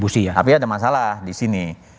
tapi ada masalah di sini